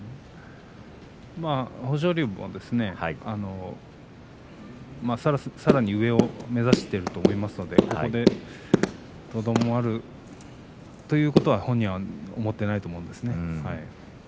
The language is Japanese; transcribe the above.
豊昇龍もさらに上を目指していると思いますのでここで、とどまるということは本人も思っていないと思います。